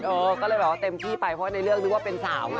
เออก็เลยแบบว่าเต็มที่ไปเพราะว่าในเรื่องนึกว่าเป็นสาวไง